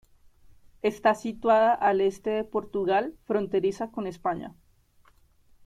Está situada al este de Portugal, fronteriza con España.